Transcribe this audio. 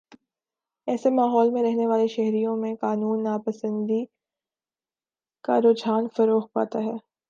ایسے ماحول میں رہنے والے شہریوں میں قانون ناپسندی کا رجحان فروغ پاتا ہے